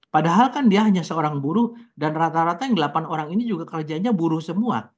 padahal kan dia hanya seorang buruh dan rata rata yang delapan orang ini juga kerjanya buruh semua